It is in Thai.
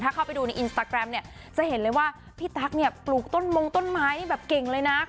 ถ้าเข้าไปดูในอินสตาแกรมเนี่ยจะเห็นเลยว่าพี่ตั๊กเนี่ยปลูกต้นมงต้นไม้แบบเก่งเลยนะ